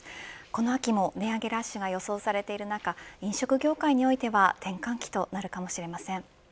この秋も値上げラッシュが予想されている中飲食業界においては転換期となるかもしれません。